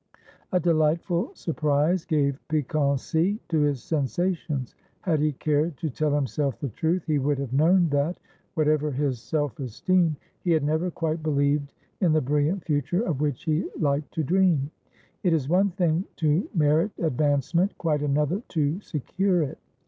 A delightful surprise gave piquancy to his sensations; had he cared to tell himself the truth, he would have known that, whatever his self esteem, he had never quite believed in the brilliant future of which he liked to dream. It is one thing to merit advancement, quite another to secure it.